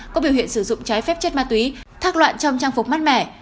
có biểu hiện sử dụng trái phép chất ma túy thác loạn trong trang phục mát mẻ